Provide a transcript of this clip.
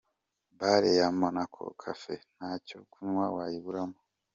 Bar ya Monaco cafe ntacyo kunywa wayiburamo.